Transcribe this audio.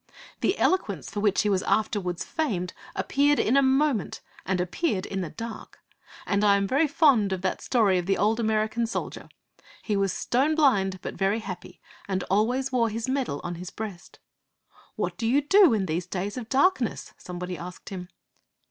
The eloquence for which he was afterwards famed appeared in a moment, and appeared in the dark! And I am very fond of that story of the old American soldier. He was stone blind, but very happy, and always wore his medal on his breast. 'What do you do in these days of darkness?' somebody asked him.